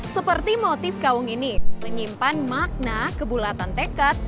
seperti motif kawung ini menyimpan makna kebulatan tekat